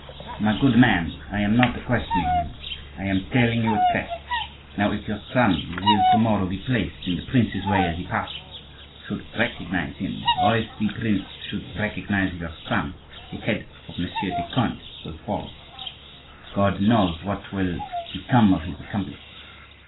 "My good man, I am not questioning you, I am telling you a fact. Now, if your son, who will to morrow be placed in the prince's way as he passes, should recognize him, or if the prince should recognize your son, the head of Monsieur de Conde will fall. God knows what will become of his accomplice!